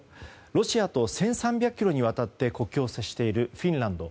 ロシアと１３００ｋｍにわたって国境を接しているフィンランド。